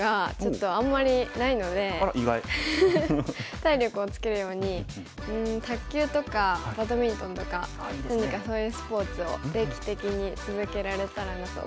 体力をつけるようにうん卓球とかバドミントンとか何かそういうスポーツを定期的に続けられたらなと思います。